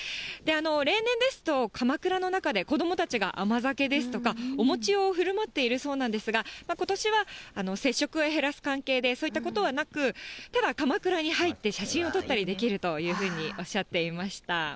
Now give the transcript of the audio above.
例年ですと、かまくらの中で子どもたちが甘酒ですとか、お餅をふるまっているそうなんですが、ことしは接触を減らす関係で、そういったことはなく、ただ、かまくらに入って写真を撮ったりできるというふうにおっしゃっていました。